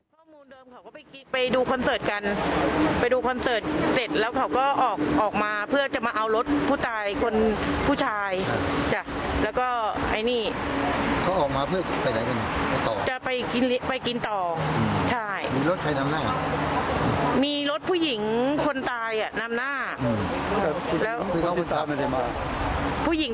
เขาก็ไปดูคอนเซิร์ตกันไปดูคอนเซิร์ตเสร็จแล้วเขาก็ออกมาเพื่อจะมาเอารถผู้ชายคนผู้ชาย